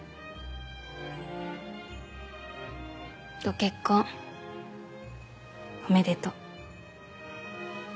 ご結婚おめでとう。